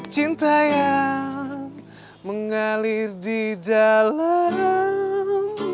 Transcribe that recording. cinta yang mengalir di dalam